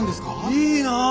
いいなあ。